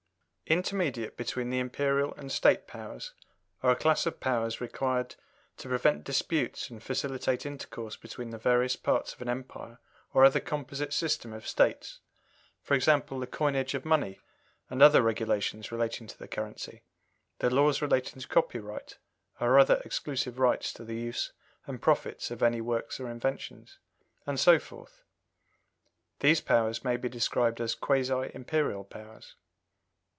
Intermediate between the Imperial and State powers are a class of powers required to prevent disputes and facilitate intercourse between the various parts of an empire or other composite system of States for example, the coinage of money, and other regulations relating to the currency; the laws relating to copyright, or other exclusive rights to the use and profits of any works or inventions; and so forth. These powers may be described as quasi Imperial powers.